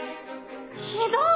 ひひどい！